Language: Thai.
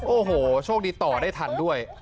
โอ้โหโชคดีต่อได้ทันด้วย